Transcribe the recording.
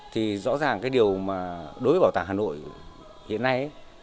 thì rõ ràng cái điều mà đối với bảo tàng hà nội hiện nay